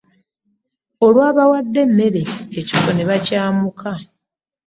Olwabawadde emmere, ekifo n'ebakyamuka